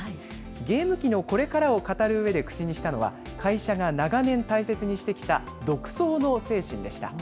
ゲーム機のこれからを語るうえで口にしたのは、会社が長年、大切にしてきた、独創の精神でした。